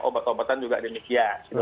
obat obatan juga demikian